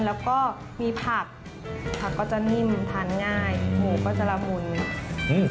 แล้วก็มีผักผักก็จะนิ่มทานง่ายหมูก็จะละมุนอืม